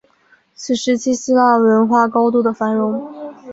此时期希腊文化高度的繁荣